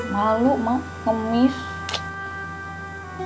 malu mak ngemis